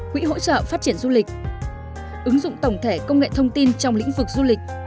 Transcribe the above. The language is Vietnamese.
quỹ hỗ trợ phát triển du lịch ứng dụng tổng thể công nghệ thông tin trong lĩnh vực du lịch